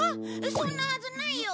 そんなはずないよ！